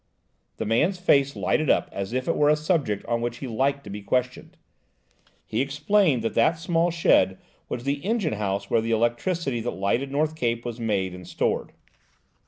The man's face lighted up as if it were a subject on which he liked to be questioned. He explained that that small shed was the engine house where the electricity that lighted North Cape was made and stored.